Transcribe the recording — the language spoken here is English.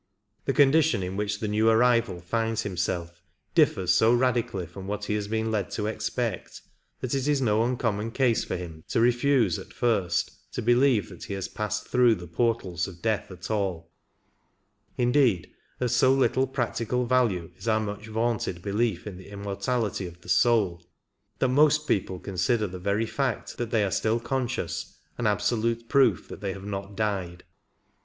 The condition in which the new arrival finds himself differs so radically from what he has been led to expect that it is no uncommon case for him to refuse at first to believe that he has passed through the portals of death at all ; indeed, of so little practical value is our much vaunted belief in the immortality of the soul that most people consider the very fact that they are still conscious an absolute proof that they have not died.